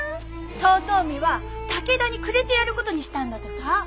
遠江は武田にくれてやることにしたんだとさ。